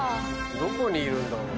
どこにいるんだろう？